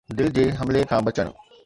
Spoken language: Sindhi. دل جي حملي کان بچڻ